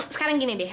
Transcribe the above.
sekarang gini deh